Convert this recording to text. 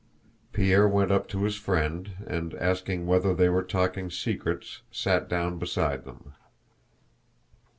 Pierre went up to his friend and, asking whether they were talking secrets, sat down beside them.